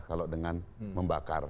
kalau dengan membakar